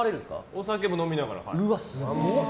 お酒も飲みながら。